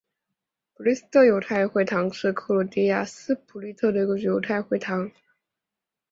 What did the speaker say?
斯普利特犹太会堂是克罗地亚斯普利特的一座犹太会堂。